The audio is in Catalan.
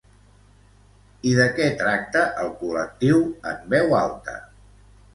I de què tracta el col·lectiu En Veu Alta?